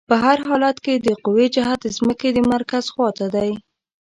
په هر حالت کې د قوې جهت د ځمکې د مرکز خواته دی.